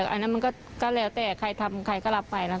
อเรนนี่มันเรื่องของเขาอันนั้น